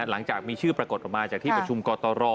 หลังจากมีชื่อปรากฏออกมาจากที่ประชุมกตร